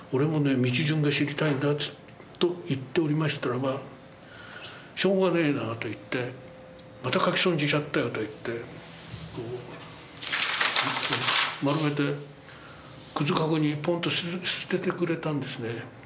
道順が知りたいんだ」と言っておりましたらば「しょうがねえなまた描き損じちゃったよ」と言ってこう丸めてくず籠にポンと捨ててくれたんですね。